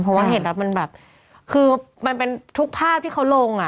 เพราะว่าเห็นแล้วมันแบบคือมันเป็นทุกภาพที่เขาลงอ่ะ